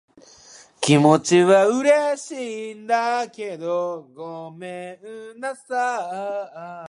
気持ちは嬉しいんだけど、ごめんなさい。